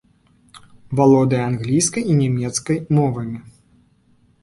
Валодае англійскай і нямецкай мовамі.